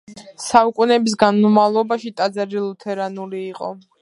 საუკუნეების განმავლობაში ტაძარი ლუთერანული იყო.